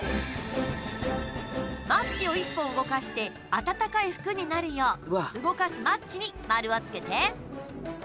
マッチを１本動かして暖かい服になるよう動かすマッチに丸をつけて。